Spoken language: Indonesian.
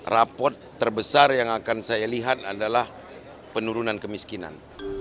rapot terbesar yang akan saya lihat adalah penurunan kemiskinan